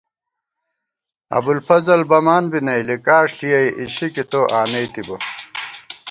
ابُوالفضل بَمان بی نئ ، لِکاݭ ݪِیَئ اِشِکی تو آنَئیتِبہ